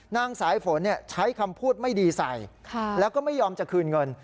นางสายฝนใช้คำพูดไม่ดีใส่แล้วก็ไม่ยอมจะคืนเงิน